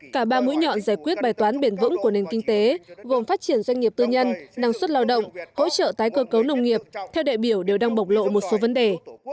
cả ba mũi nhọn giải quyết bài toán bền vững của nền kinh tế gồm phát triển doanh nghiệp tư nhân năng suất lao động hỗ trợ tái cơ cấu nông nghiệp theo đại biểu đều đang bộc lộ một số vấn đề